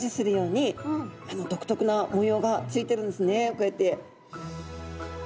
こうやって。